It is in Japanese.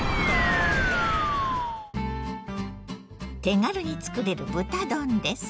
手軽につくれる豚丼です。